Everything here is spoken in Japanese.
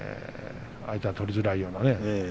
相手が取りづらいようなね。